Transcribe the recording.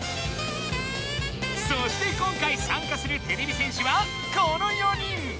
そして今回さんかするてれび戦士はこの４人！わ。